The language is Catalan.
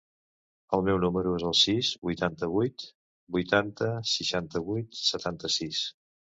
El meu número es el sis, vuitanta-vuit, vuitanta, seixanta-vuit, setanta-sis.